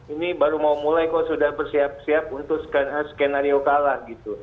ini baru mau mulai kok sudah bersiap siap untuk skenario kalah gitu